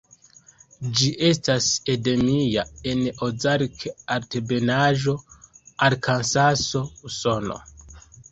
Ĝi estas endemia en Ozark-Altebenaĵo, Arkansaso, Usono.